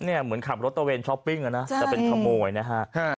เนี้ยเหมือนขับรถตะเวนช้อปปิ้งอะนะใช่แต่เป็นขโมยนะฮะฮะ